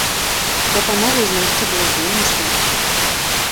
Дапамогу знайсці было вельмі складана.